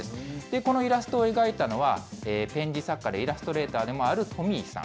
このイラストを描いたのは、ペン字作家でイラストレーターでもあるＴｏｍｍｙさん。